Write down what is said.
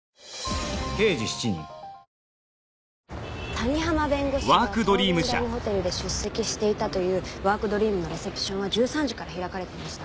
谷浜弁護士が桃源台のホテルで出席していたというワークドリームのレセプションは１３時から開かれていました。